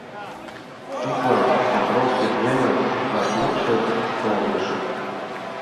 Тудлан Сопром Епремын вашмутшо солныш: